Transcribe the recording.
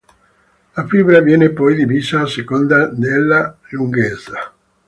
La fibra viene poi divisa a seconda della lunghezza.